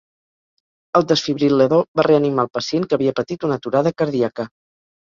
El desfibril·lador va reanimar el pacient que havia patit una aturada cardíaca.